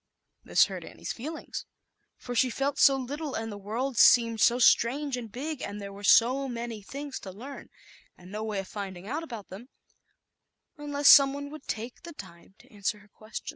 This hurt Annie's feelings, for she felt so little, and the world seemed so strange and big, and there were so many things to learn, and no way of finding out about them unless some one would take time to answer her questions.